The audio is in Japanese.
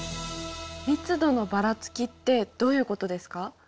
「密度のばらつき」ってどういうことですか？